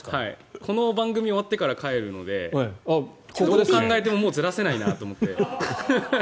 この番組が終わってから帰るのでどう考えてももうずらせないなと思って。